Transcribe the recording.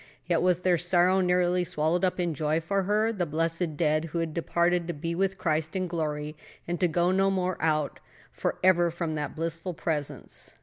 Yet was their sorrow nearly swallowed up in joy for her the blessed dead who had departed to be with Christ in glory and to go no more out forever from that blissful presence.